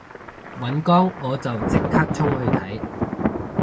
尹光我就即刻衝去睇